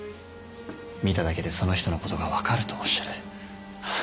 見ただけでその人のことが分かるとおっしゃる。